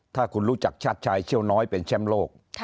ถ้าคุณรู้จักชาติชายเชี่ยวน้อยเป็นแชมป์โลก